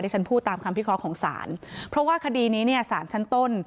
ฉันพูดตามคำพิเคราะห์ของศาลเพราะว่าคดีนี้เนี่ยสารชั้นต้น